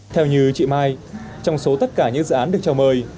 theo như chị mai trong số tất cả những dự án được chào mời